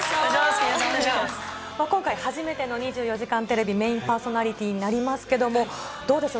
今回、初めての２４時間テレビメインパーソナリティーになりますけれども、どうでしょう？